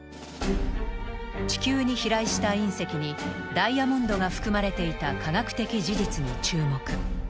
地球に飛来した隕石にダイヤモンドが含まれていた科学的事実に注目。